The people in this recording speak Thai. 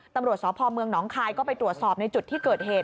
ตำรวจสพเมืองหนองคายก็ไปตรวจสอบในจุดที่เกิดเหตุ